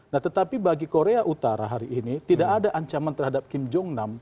nah tetapi bagi korea utara hari ini tidak ada ancaman terhadap kim jong nam